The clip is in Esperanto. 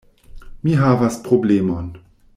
Mi havas problemon.